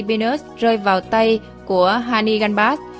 các thành phố của telibinus rơi vào tay của hani ghanbat